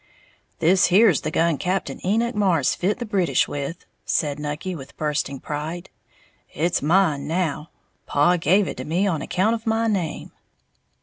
"This here's the gun Cap'n Enoch Marrs fit the British with," said Nucky, with bursting pride; "it's mine now, paw give it to me on account of my name."